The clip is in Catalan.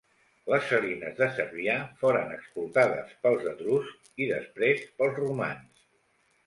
Les salines de Cervia foren explotades pels etruscs i després pels romans.